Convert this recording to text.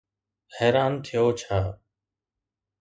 حيران ٿيو ڇا؟